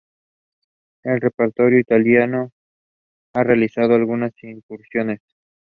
En el repertorio italiano ha realizado algunas incursiones.